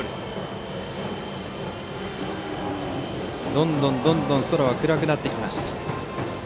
どんどん空は暗くなってきました。